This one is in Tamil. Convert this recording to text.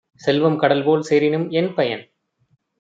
செல்வம் கடல்போல் சேரினும் என்பயன்?